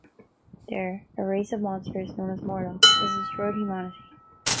There, a race of monsters known as Morlocks has destroyed humanity.